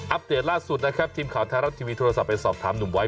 เดตล่าสุดนะครับทีมข่าวไทยรัฐทีวีโทรศัพท์ไปสอบถามหนุ่มไว้